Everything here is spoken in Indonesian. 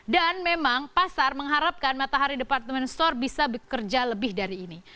dan memang pasar mengharapkan matahari department store bisa bekerja lebih dari ini